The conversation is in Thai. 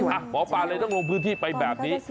หมอปลาเลยต้องลงพื้นที่ไปแบบนี้